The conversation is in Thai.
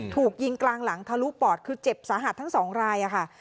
ถูกยิงกลางหลังทะลุปอดคือเจ็บสาหัสทั้งสองรายค่ะ